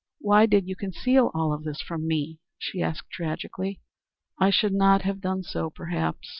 "Why did you conceal all this from me?" she asked, tragically. "I should not have done so, perhaps."